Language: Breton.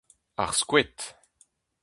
Ar Skoed.